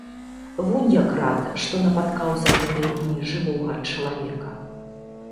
Вунь як рад, што напаткаў за гэтыя дні жывога чалавека.